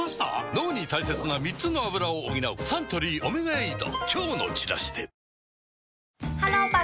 脳に大切な３つのアブラを補うサントリー「オメガエイド」